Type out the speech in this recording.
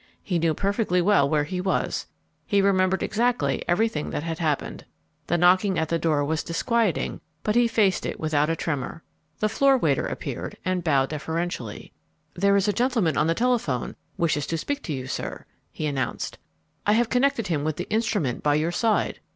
He knew perfectly well where he was, he remembered exactly everything that had happened. The knocking at the door was disquieting but he faced it without a tremor. The floor waiter appeared and bowed deferentially. "There is a gentleman on the telephone wishes to speak to you, sir," he announced. "I have connected him with the instrument by your side."